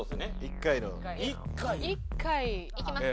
１回の。いきますか。